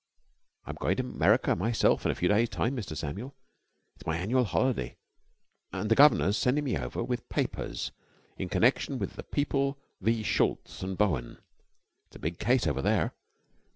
"I'm going to America myself in a few days' time, Mr. Samuel. It's my annual holiday, and the guvnor's sending me over with papers in connection with The People v. Schultz and Bowen. It's a big case over there.